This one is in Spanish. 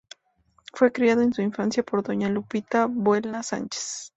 Fue criado en su infancia por doña Lupita Buelna Sánchez.